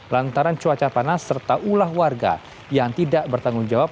lantaran cuaca panas serta ulah warga yang tidak bertanggung jawab